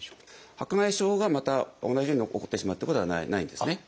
白内障がまた同じように起こってしまうってことはないんですね。